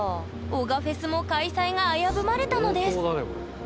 男鹿フェスも開催が危ぶまれたのです。